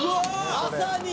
まさに！